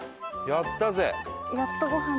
やったぜ！